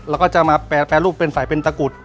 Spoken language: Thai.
เราก็จะมาแปลรูปเป็นสายเป็นตะกุฎ